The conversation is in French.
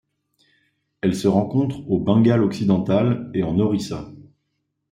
Elle se rencontre au Bengale-Occidental et en Orissa.